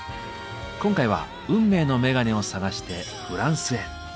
今回は運命のメガネを探してフランスへ。